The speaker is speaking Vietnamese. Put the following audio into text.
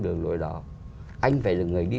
đường lưỡi đó anh phải là người đi